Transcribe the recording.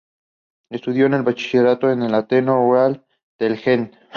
Estudió el bachillerato en el Ateneo Real de Gent.